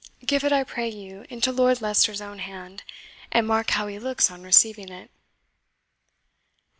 Give it, I pray you, into Lord Leicester's own hand, and mark how he looks on receiving it."